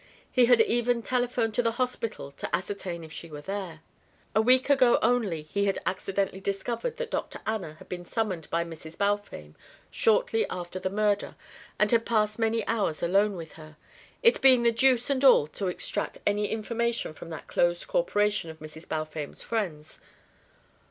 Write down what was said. He had even telephoned to the hospital to ascertain if she were there. A week ago only he had accidentally discovered that Dr. Anna had been summoned by Mrs. Balfame shortly after the murder and had passed many hours alone with her; "it being the deuce and all to extract any information from that closed corporation of Mrs. Balfame's friends."